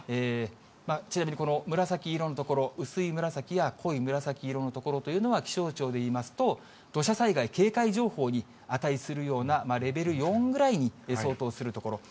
ちなみにこの紫色の所、薄い紫や濃い紫色の所というのは、気象庁でいいますと、土砂災害警戒情報に値するようなレベル４ぐらいに相当する所。